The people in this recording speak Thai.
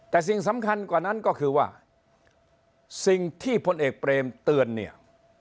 แต่สิ่งสำคัญกว่านั้นก็คือว่าสิ่งที่พลเอกเปรมเตือนเนี่ย